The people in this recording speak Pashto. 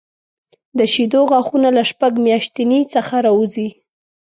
د شېدو غاښونه له شپږ میاشتنۍ څخه راوځي.